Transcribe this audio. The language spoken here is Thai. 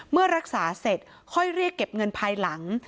เมื่อรักษาเสร็จค่อยเรียกเก็บเงินภายหลัง